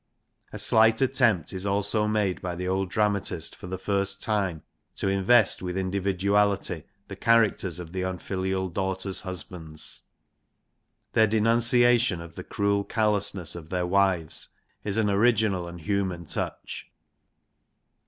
A slight attempt is also made by the old dramatist for the first time to invest with individuality the characters of the unfilial daughters' husbands. Their denunciation of the cruel callousness of their wives is an original and human touch.